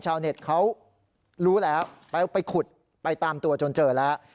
ชาวเน็ตเขารู้แล้วไปขุดไปตามตัวจนเจอแล้ว